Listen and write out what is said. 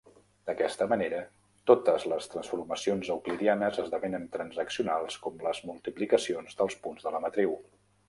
D'aquesta manera, totes les transformacions euclidianes esdevenen transaccionals com les multiplicacions dels punts de la matriu.